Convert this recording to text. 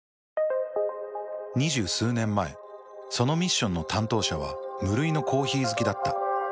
２０数年前そのミッションの担当者は無類のコーヒー好きだった。